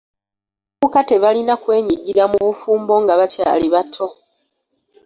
Abavubuka tebalina kwenyigira mu bufumbo nga bakyali bato.